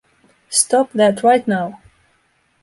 Stop that right now!